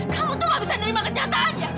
kamu tuh gak bisa nerima kenyataan ya